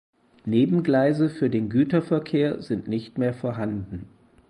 Nebengleise für den Güterverkehr sind nicht mehr vorhanden.